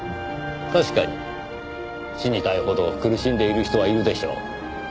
確かに死にたいほど苦しんでいる人はいるでしょう。